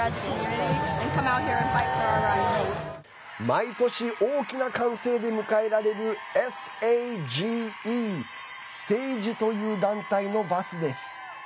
毎年大きな歓声で迎えられるＳＡＧＥ、セイジという団体のバスです。